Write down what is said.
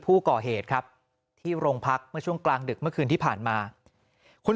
ผู้ก่อเหตุครับที่โรงพักเมื่อช่วงกลางดึกเมื่อคืนที่ผ่านมาคุณ